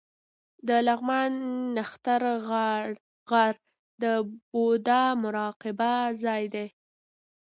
د لغمان نښتر غار د بودا مراقبه ځای دی